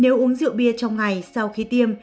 nếu uống rượu bia trong ngày sau khi tiêm